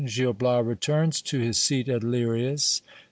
— Gil Bias returns to his seat at Lirias.